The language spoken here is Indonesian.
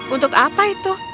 untuk apa itu